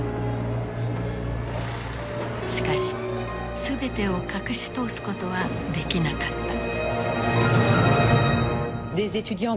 しかし全てを隠し通すことはできなかった。